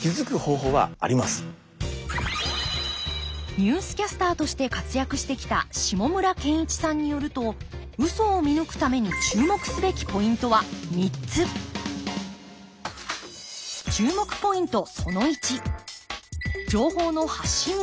ニュースキャスターとして活躍してきた下村健一さんによるとウソを見抜くために注目すべきポイントは３つ注目ポイント